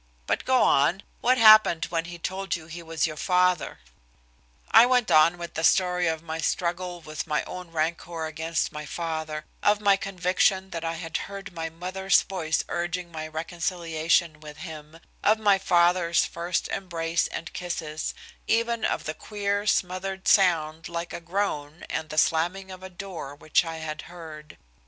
But go on. What happened when he told you he was your father?" I went on with the story of my struggle with my own rancor against my father, of my conviction that I had heard my mother's voice urging my reconciliation with him, of my father's first embrace and kisses, even of the queer smothered sound like a groan and the slamming of a door which I had heard.